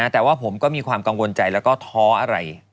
แต่ว่าผมก็มีความกังวลใจแล้วก็ท้ออะไร